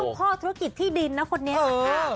เจ้าข้อธุรกิจที่ดินนะคนนี้ค่ะ